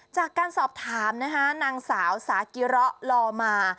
จากการสอบถามนะคะนางสาวสากิระลอมา